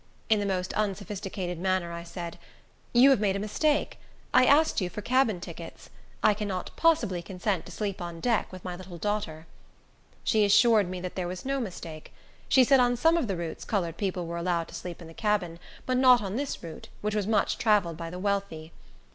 In the most unsophisticated manner I said, "You have made a mistake; I asked you for cabin tickets. I cannot possibly consent to sleep on deck with my little daughter." She assured me there was no mistake. She said on some of the routes colored people were allowed to sleep in the cabin, but not on this route, which was much travelled by the wealthy.